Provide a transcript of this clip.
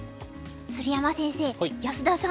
鶴山先生安田さん